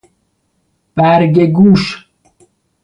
برگه گوش